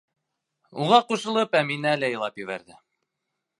Уға ҡушылып Әминә лә илап ебәрҙе.